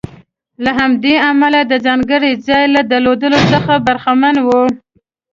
له همدې امله د ځانګړي ځای له درلودلو څخه برخمن و.